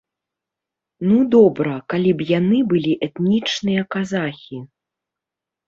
Ну добра, калі б яны былі этнічныя казахі.